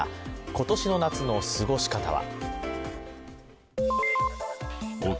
今年の夏の過ごし方は？